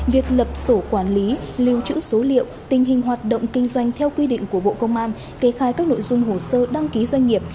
việc lập sổ quản lý lưu trữ số liệu tình hình hoạt động kinh doanh theo quy định của bộ công an kê khai các nội dung hồ sơ đăng ký doanh nghiệp